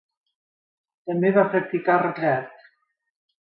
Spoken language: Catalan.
També va practicar el retrat.